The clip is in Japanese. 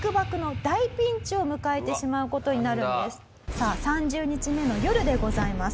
さあ３０日目の夜でございます。